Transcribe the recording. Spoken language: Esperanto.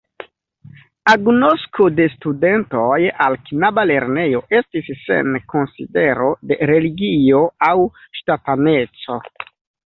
Agnosko de studentoj al knaba lernejo estis sen konsidero de religio aŭ ŝtataneco.